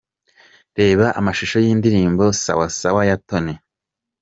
Reba amashusho y'indirimbo 'Sawa sawa' ya Tony.